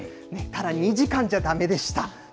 ただ、２時間じゃだめでした。